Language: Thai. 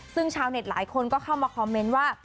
ซึ่งชาวเน็ตหลายคนก็เข้ามาคอมเมนต์ว่า